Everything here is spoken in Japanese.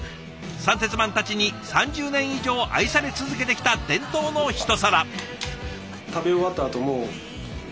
三鉄マンたちに３０年以上愛され続けてきた伝統のひと皿。